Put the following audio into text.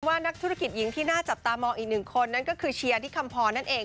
นักธุรกิจหญิงที่น่าจับตามองอีกหนึ่งคนนั้นก็คือเชียร์ที่คำพรนั่นเอง